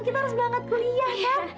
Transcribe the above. kita harus berangkat kuliah ya